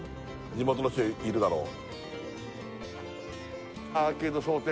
地元の人いるだろう